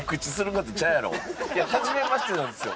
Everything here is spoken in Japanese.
はじめましてなんですよ。